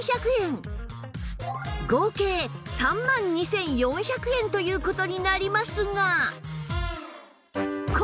合計３万２４００円という事になりますが